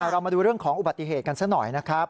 เรามาดูเรื่องของอุบัติเหตุกันซะหน่อยนะครับ